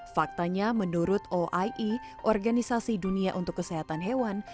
faktanya menurut oie organisasi dunia untuk kesehatan hewan